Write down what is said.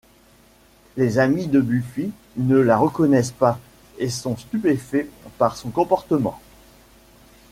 Les amis de Buffy ne la reconnaissent pas et sont stupéfaits par son comportement.